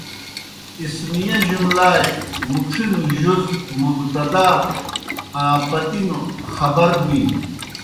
اسمِیہ جُملائے مُڇِھنوْ جُز مُبتدا آں پتِنوْ خبر بِینوْ۔